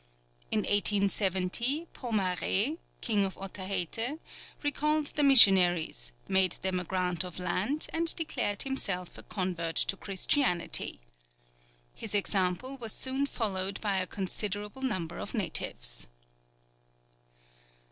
In 1817, Pomaré, king of Otaheite, recalled the missionaries, made them a grant of land, and declared himself a convert to Christianity. His example was soon followed by a considerable number of natives.